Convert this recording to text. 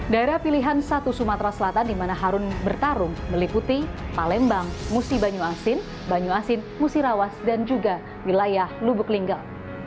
daerah pilihan satu sumatera selatan di mana harun bertarung meliputi palembang musi banyu asin banyu asin musirawas dan juga wilayah lubuk linggal